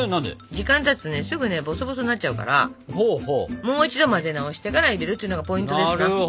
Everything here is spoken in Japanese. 時間たつとねすぐボソボソになっちゃうからもう一度混ぜ直してから入れるっていうのがポイントですな。